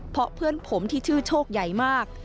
เพราะเพื่อนผมที่ชื่อโชคใหญ่มาก